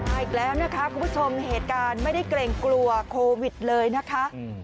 อีกแล้วนะคะคุณผู้ชมเหตุการณ์ไม่ได้เกรงกลัวโควิดเลยนะคะ